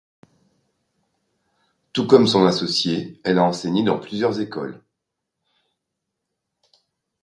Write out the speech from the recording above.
Tout comme son associé, elle a enseigné dans plusieurs écoles.